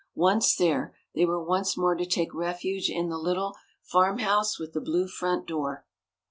Once there, they were once more to take refuge in the little "Farmhouse with the Blue Front Door."